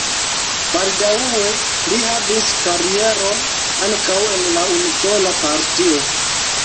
Baldaŭe li havis karieron ankaŭ en la unusola partio.